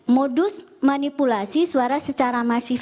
modus manipulasi suara secara masif